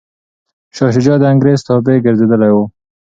شاه شجاع د انګریز تابع ګرځېدلی و.